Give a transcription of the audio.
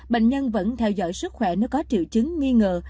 bệnh nhân vẫn theo dõi sức khỏe nếu có triệu chứng nghi ngờ